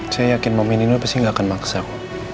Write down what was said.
saya yakin momenya nino pasti gak akan maksak